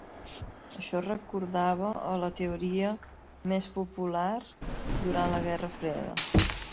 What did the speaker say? Això recordava a la teoria més popular durant la Guerra Freda.